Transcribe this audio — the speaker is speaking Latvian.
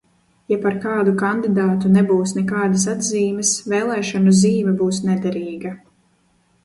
Ja par kādu kandidātu nebūs nekādas atzīmes, vēlēšanu zīme būs nederīga.